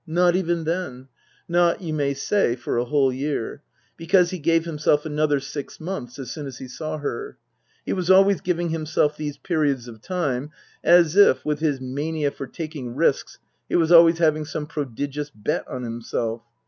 Not even then. Not, you may say, for a whole year ; because he gave himself another six months as soon as he saw her. He was always giving himself these periods of time, as if, with his mania for taking risks, he was always having some prodigious bet on himself.